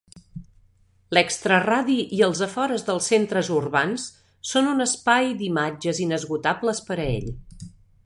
L'extraradi i els afores dels centres urbans són un espai d'imatges inesgotables per a ell.